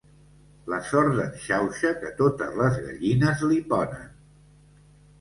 La sort d'en Xauxa, que totes les gallines li ponen.